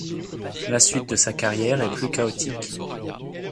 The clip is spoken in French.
La suite de sa carrière est plus chaotique.